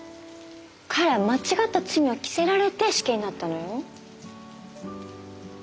彼は間違った罪を着せられて死刑になったのよ？